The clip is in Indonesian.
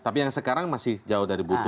tapi yang sekarang masih jauh dari butuh itu